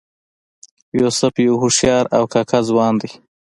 یوسف یو هوښیار او کاکه ځوان دی.